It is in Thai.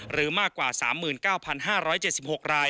หรือมากกว่า๓๙๕๗๖ราย